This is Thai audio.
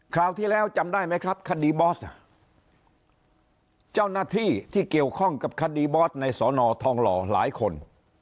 คราวที่แล้วจำได้ไหมครับคดีบอสเจ้าหน้าที่ที่เกี่ยวข้องกับคดีบอสในสอนอทองหล่อหลายคน